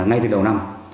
ngay từ đầu năm